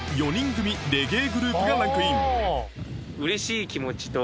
レゲエグループがランクイン